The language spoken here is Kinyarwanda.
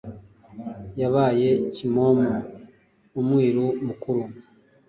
yabaye Kimomo"umwiru mukuru